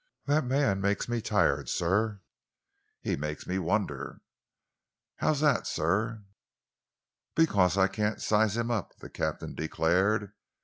That man makes me tired, sir." "He makes me wonder." "How's that, sir?" "Because I can't size him up," the captain declared.